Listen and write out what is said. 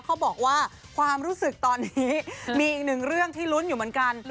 เขาบอกว่าความรู้สึกตอนนี้มีอีกหนึ่งเรื่องที่ลุ้นอยู่เหมือนกัน